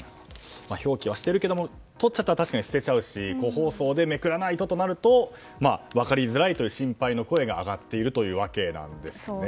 表記はしてるけれども取っちゃったら確かに捨てちゃうし個包装でめくらないとなると分かりづらいという心配の声が上がっているわけですね。